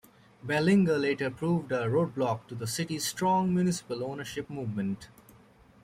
Ballinger later proved a roadblock to the city's strong municipal ownership movement.